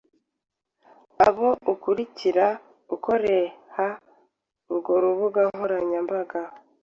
abo ukurikirana ukoreha urwo rubuga nkoranyambaga